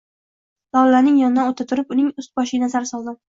Lolaning yonidan o`ta turib, uning usti-boshiga nazar soldim